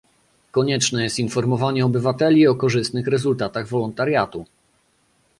Konieczne jest informowanie obywateli o korzystnych rezultatach wolontariatu